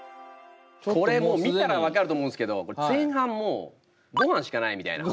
これもう見たら分かると思うんですけど前半もうごはんしかないみたいな。